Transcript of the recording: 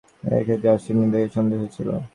এ ক্ষেত্রে আসেন নি দেখে সন্দেহ হয়েছিল।